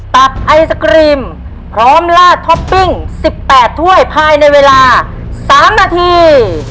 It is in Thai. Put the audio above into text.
ไอศกรีมพร้อมลาดท็อปปิ้ง๑๘ถ้วยภายในเวลา๓นาที